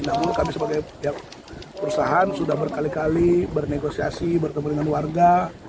dahulu kami sebagai pihak perusahaan sudah berkali kali bernegosiasi bertemu dengan warga